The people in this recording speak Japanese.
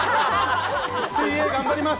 水泳、頑張ります。